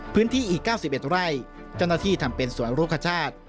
พื้นที่อีก๙๑ไร่จำหน้าที่ทำเป็นสวนรถคชาติ